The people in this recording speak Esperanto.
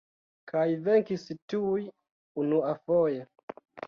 Kaj venkis tuj unuafoje.